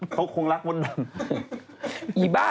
จะอกคงรักด้วนดำ